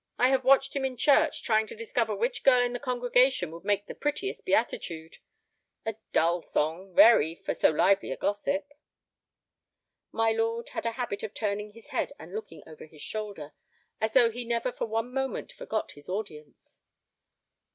I have watched him in church trying to discover which girl in the congregation would make the prettiest beatitude. A dull song, very, for so lively a gossip." My lord had a habit of turning his head and looking over his shoulder, as though he never for one moment forgot his audience.